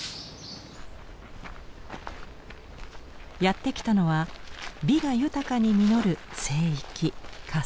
やって来たのは美が豊かに実る聖域春日大社。